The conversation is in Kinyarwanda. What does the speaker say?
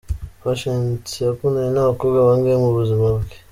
Patient yakundanye n'abakobwa bangahe mu buzima bwe?.